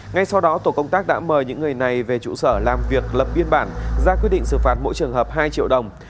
ngay sau đó tổ công tác đã mời những người này về trụ sở làm việc lập biên bản ra quyết định xử phạt mỗi trường hợp hai triệu đồng